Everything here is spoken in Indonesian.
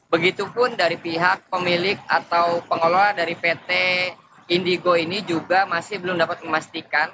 begitupun dari pihak pemilik atau pengelola dari pt indigo ini juga masih belum dapat memastikan